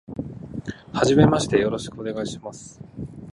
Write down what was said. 初めましてよろしくお願いします。